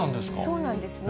そうなんですね。